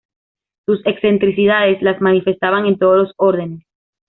Sus excentricidades las manifestaba en todos los órdenes.